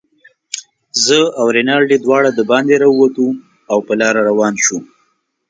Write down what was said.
زه او رینالډي دواړه دباندې راووتو، او په لاره روان شوو.